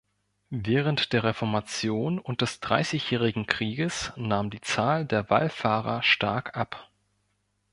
Während der Reformation und des Dreißigjährigen Krieges nahm die Zahl der Wallfahrer stark ab.